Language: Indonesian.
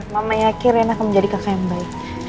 mama yakin akan menjadi kakak yang baik